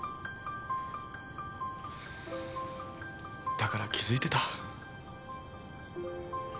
だから気付いてた。